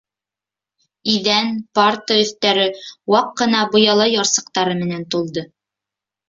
Иҙән, парта өҫтәре ваҡ ҡына быяла ярсыҡтары менән тулды.